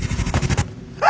あ！